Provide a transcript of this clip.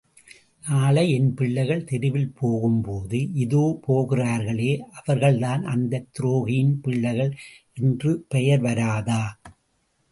நாளை என் பிள்ளைகள் தெருவில் போகும்போது இதோ போகிறார்களே அவர்கள்தான் அந்தத் துரோகியின் பிள்ளைகள் என்று பெயர் வராதா?